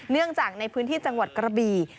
เนื่องจากในพื้นที่จังหวัดกระบี่